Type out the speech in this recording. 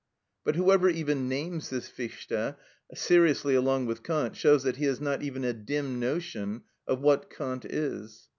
But whoever even names this Fichte seriously along with Kant shows that he has not even a dim notion of what Kant is.